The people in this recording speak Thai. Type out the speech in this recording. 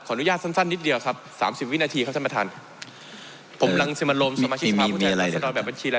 เพราะมันก็มีเท่านี้นะเพราะมันก็มีเท่านี้นะ